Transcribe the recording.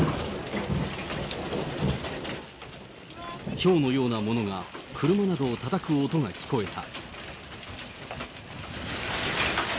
ひょうのようなものが車などをたたく音が聞こえた。